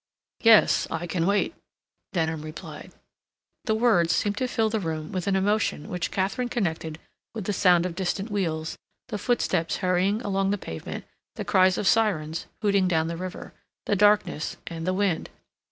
"Yes. I can wait," Denham replied. The words seemed to fill the room with an emotion which Katharine connected with the sound of distant wheels, the footsteps hurrying along the pavement, the cries of sirens hooting down the river, the darkness and the wind.